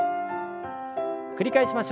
繰り返しましょう。